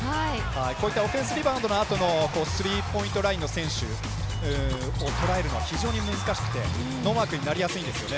オフェンスリバウンドのあとのスリーポイントラインの選手をとらえるのは非常に難しくてノーマークになりやすいんですね。